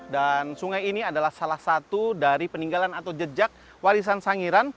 dan sungai ini adalah salah satu dari peninggalan atau jejak warisan sangiran